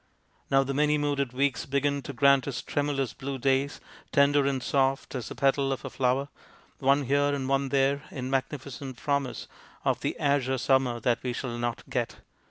Now the many mooded weeks begin to grant us tremulous blue days, tender and soft as the petal of a flower, one here and one there in magnificent promise of the azure summer that we shall not get.